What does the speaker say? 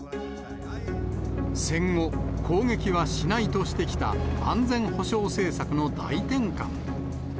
戦後、攻撃はしないとしてきた、安全保障政策の大転換。